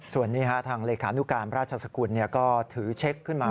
ส่วนนี้ทางเลขานุการราชสกุลก็ถือเช็คขึ้นมา